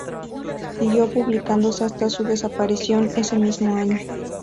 Siguió publicándose hasta su desaparición ese mismo año.